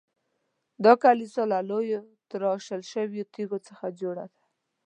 دا کلیسا له لویو تراشل شویو تیږو څخه جوړه ده.